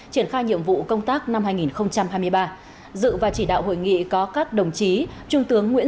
triển khai nhiệm vụ công tác năm hai nghìn hai mươi ba dự và chỉ đạo hội nghị có các đồng chí trung tướng nguyễn